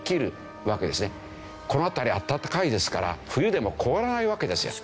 この辺り暖かいですから冬でも凍らないわけですよ。